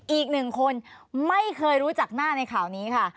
อีกหนึ่งคนไม่เคยรู้จักหน้าในข่าวนี้ค่ะ